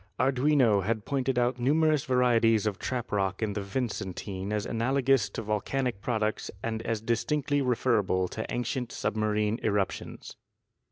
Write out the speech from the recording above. Arduino had pointed out numerous varieties of trap rock in the Vicen tine as analogous to volcanic products and as distinctly referable to ancient submarine eruptions.